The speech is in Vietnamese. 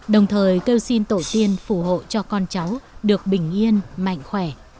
đồng thời kêu xin tổ tiên phù hộ cho con cháu được bình yên mạnh khỏe